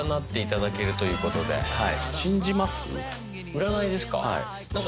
占いですか？